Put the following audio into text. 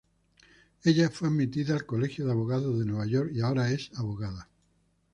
Ella fue admitida al Colegio de Abogados de Nueva York, y ahora es abogada.